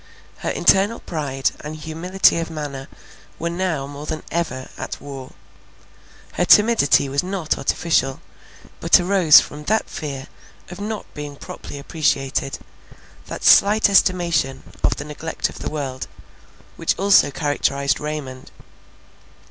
Her internal pride and humility of manner were now more than ever at war. Her timidity was not artificial, but arose from that fear of not being properly appreciated, that slight estimation of the neglect of the world, which also characterized Raymond.